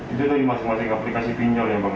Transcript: itu tadi masing masing aplikasi pinjol ya bang ya